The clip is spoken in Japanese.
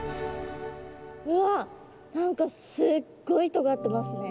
うわ何かすっごいとがってますね。